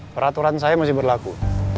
peraturan saya masih berlaku